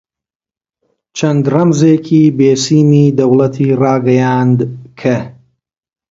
چەند ڕەمزێکی بێسیمی دەوڵەتی ڕاگەیاند کە: